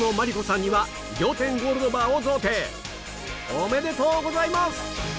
おめでとうございます！